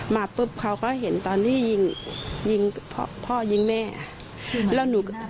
มาปุ๊บเขาก็เห็นตอนนี้ยิงพ่อยิงแม่